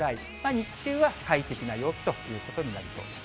日中は快適な陽気ということになりそう。